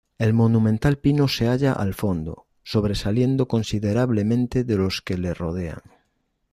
El monumental pino se halla al fondo, sobresaliendo considerablemente de los que le rodean.